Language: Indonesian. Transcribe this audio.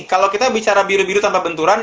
kalau kita bicara biru biru tanpa benturan